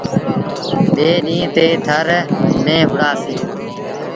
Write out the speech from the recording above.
ٻي ڏيٚݩهݩ تي ٿر ميݩ وُهڙآ سيٚݩ۔